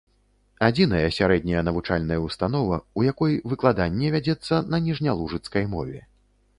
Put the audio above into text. Адзіная сярэдняя навучальная ўстанова, у якой выкладанне вядзецца на ніжнялужыцкай мове.